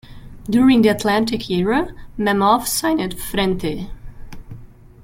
During the Atlantic era, Mammoth signed Frente!.